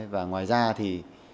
và ngoài ra thì